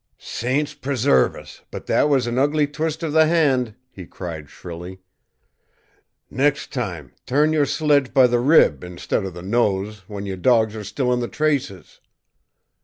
"Saints preserve us, but that was an ugly twist of the hand!" he cried shrilly. "Next time, turn your sledge by the rib instead of the nose, when your dogs are still in the traces!"